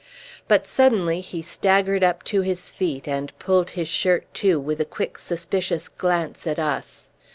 But suddenly he staggered up to his feet, and pulled his shirt to, with a quick suspicious glance at us.